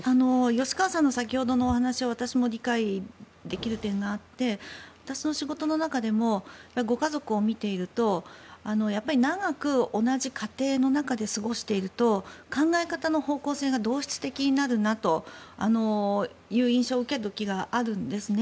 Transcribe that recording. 吉川さんの先ほどの話を私も理解できる点があって私の仕事の中でもご家族を見ているとやっぱり長く同じ家庭の中で過ごしていると考え方の方向性が同質的になるなという印象を受ける時があるんですね。